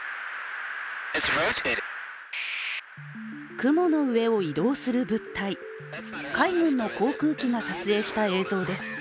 雲の上を移動する物体海軍の航空機が撮影した映像です。